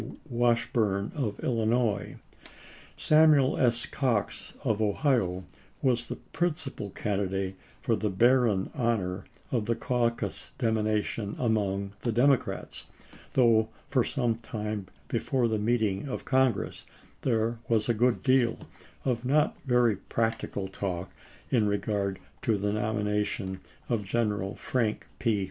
Wash burne of Illinois. Samuel S. Cox of Ohio was the principal candidate for the barren honor of the caucus nomination among the Democrats ; though for some time before the meeting of Congress there was a good deal of not very practical talk in re gard to the nomination of General Frank P.